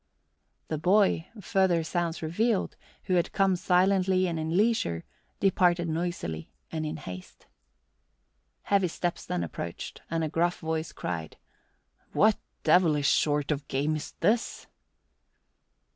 The boy, further sounds revealed, who had come silently and in leisure, departed noisily and in haste. Heavy steps then approached, and a gruff voice cried, "What devilish sort of game is this?"